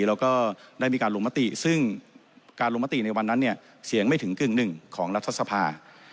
แล้วก็ได้มีการลงมติซึ่งการลงมติในวันนั้นเนี่ยเสียงไม่ถึงกึ่งหนึ่งของรัฐสภา